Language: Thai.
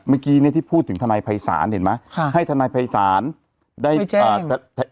เมื่อกี้เนี้ยที่พูดถึงทนายภัยศาลเห็นไหมค่ะให้ทนายภัยศาลได้อ่า